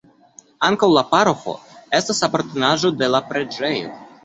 Ankaŭ la paroĥo estas apartenaĵo de la preĝejo.